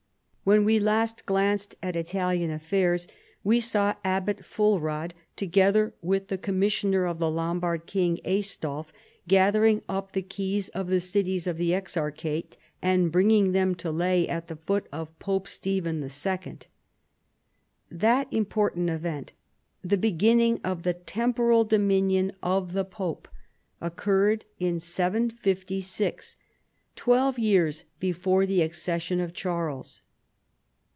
When we last glanced at Italian affairs we saw Abbot Ful rad, together with the commissioner of the Lombard king Aistulf, gathering up the keys of the cities of the exarchate and bringing them to lay at the feet of Pope Stephen II.* That important event, the beginning of the temporal dominion of the pope, oc curred in 750, twelve years before the accession of Charles.